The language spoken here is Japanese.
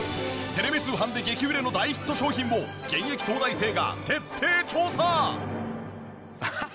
テレビ通販で激売れの大ヒット商品を現役東大生が徹底調査！